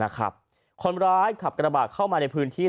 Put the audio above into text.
คนขับกระบะเข้ามาในพื้นที่